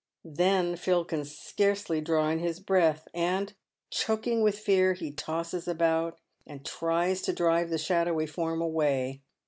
Then Phil can scarcely draw in his breath, and, choking with fear, he tosses about, and tries to drive the shadowy form away.